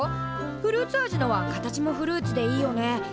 フルーツ味のは形もフルーツでいいよね。